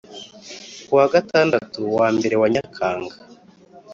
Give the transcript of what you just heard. Ku wa Gatandatu wa mbere wa Nyakanga